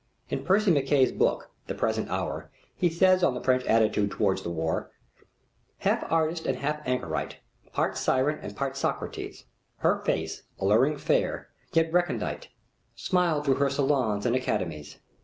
In Percy MacKaye's book, The Present Hour, he says on the French attitude toward the war: "Half artist and half anchorite, Part siren and part Socrates, Her face alluring fair, yet recondite Smiled through her salons and academies.